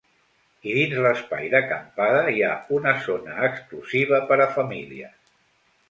I dins l’espai d’acampada, hi ha una zona exclusiva per a famílies.